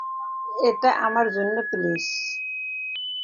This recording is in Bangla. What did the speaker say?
একটা আমার জন্য, প্লিজ।